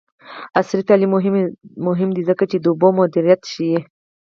عصري تعلیم مهم دی ځکه چې د اوبو مدیریت ښيي.